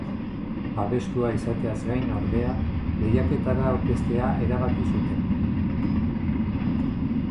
Babestua izateaz gain, ordea, lehiaketara aurkeztea erabaki zuten.